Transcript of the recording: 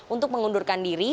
untuk mengundurkan diri